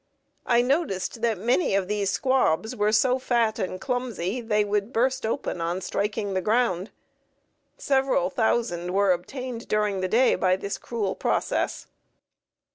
I noticed that many of these squabs were so fat and clumsy they would burst open on striking the ground. Several thousand were obtained during the day by this cruel process.